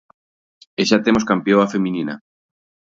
E xa temos campioa feminina.